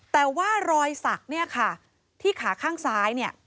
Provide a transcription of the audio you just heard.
แต่ว่ารอยสักที่ขาข้างซ้าย